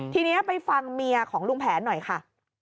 ทีนี้ไปฟังเมียของลุงแผนหน่อยค่ะ